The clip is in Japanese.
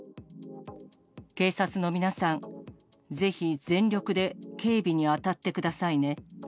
警察の皆さん、ぜひ全力で警備に当たってくださいね。